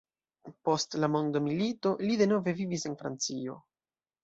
Post la mondomilito li denove vivis en Francio.